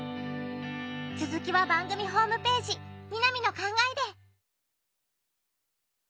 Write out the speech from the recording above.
続きは番組ホームページ「みなみの考え」で！